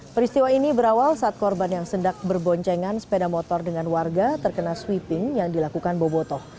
peristiwa ini berawal saat korban yang sendak berboncengan sepeda motor dengan warga terkena sweeping yang dilakukan boboto